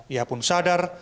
ia pun sadar